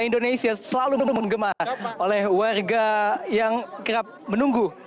indonesia selalu mengema oleh warga yang kerap menunggu